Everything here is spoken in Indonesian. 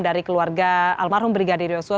dari keluarga almarhum brigadir yosua